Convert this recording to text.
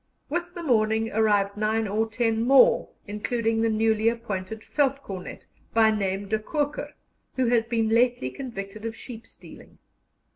With the morning arrived nine or ten more, including the newly appointed Veldtcornet, by name De Koker, who had been lately convicted of sheep stealing.